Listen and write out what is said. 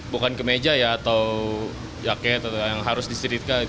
bukan ke meja ya atau jaket yang harus diseritkan